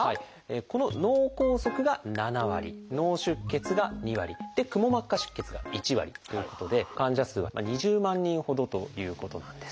この「脳梗塞」が７割「脳出血」が２割「くも膜下出血」が１割ということで患者数は２０万人ほどということなんです。